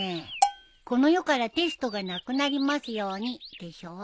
「この世からテストがなくなりますように」でしょ。